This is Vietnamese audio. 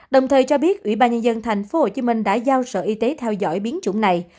đồng thời cho biết ủy ban nhân dân tp hcm đã giao sở y tế theo dõi biến chủng này